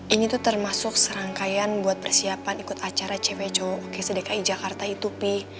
ini tuh termasuk serangkaian buat persiapan ikut acara cewe cowok oke sedekai jakarta itu pi